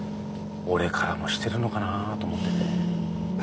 オレからもしてるのかなぁ？と思ってね。